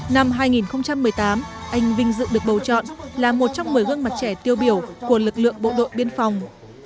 năm hai nghìn một mươi tám anh vinh dự được bầu chọn là một trong một mươi gương mặt trẻ tiêu biểu của lực lượng bộ đội biên phòng